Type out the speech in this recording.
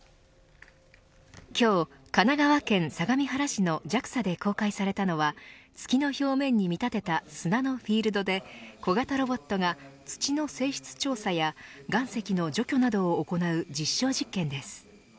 今日、神奈川県相模原市のＪＡＸＡで公開されたのは月の表面に見立てた砂のフィールドで小型ロボットが土の性質調査や岩石の除去などを行う実証実験です。